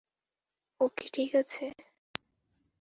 ও কি ঠিক আছে?